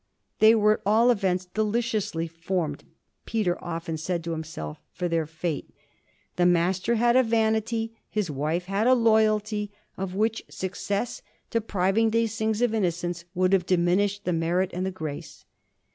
They were at all events deliciously formed, Peter often said to himself, for their fate; the Master had a vanity, his wife had a loyalty, of which success, depriving these things of innocence, would have diminished the merit and the grace.